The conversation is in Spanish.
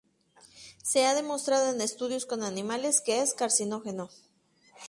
Se ha demostrado en estudios con animales que es carcinógeno.